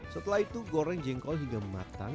setelah itu goreng jengkol hingga matang